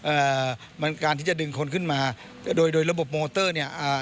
เอ่อมันการที่จะดึงคนขึ้นมาโดยโดยระบบโมเตอร์เนี้ยอ่า